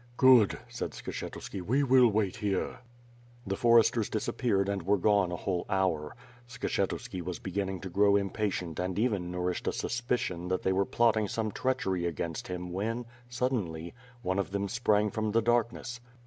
"Good," said Skshetuski, "we will wait here." The foresters disappeared and were gone a whole hour. Skshetuski was beginning to grow impatient and even nour ished a suspicion that they were plotting some treachery against him when, suddenly, one of them sprang from the darkness.